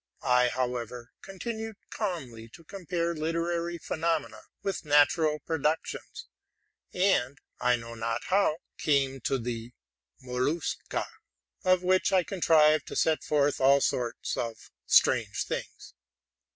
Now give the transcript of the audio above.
I, however, continued quite calmly to compare literary phenomena with natural productions, and (I know not how) came to the mol lusez, of which I contrived to set forth all sorts of strange things.